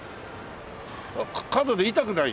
角で痛くない？